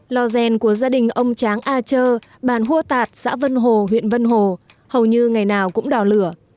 lò rèn của gia đình ông tráng a chơ bàn hua tạt xã vân hồ huyện vân hồ hầu như ngày nào cũng đỏ lửa